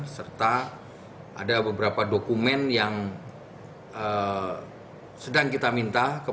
serta ada beberapa dokumen yang sedang kita minta